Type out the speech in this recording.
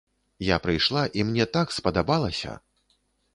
Я прыйшла і мне так спадабалася!